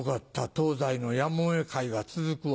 東西のやもめ会が続くわ。